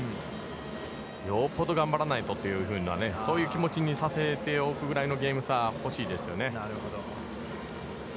よっぽど頑張らないとというふうなそういう気持ちにさせておくぐらいのゲーム差が欲しいですよね。